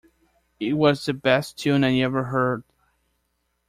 It was the best tune I ever heard.